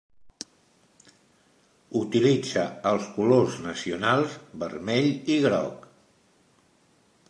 Utilitza els colors nacionals vermell i groc.